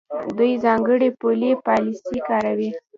دوی ځانګړې پولي پالیسۍ کاروي.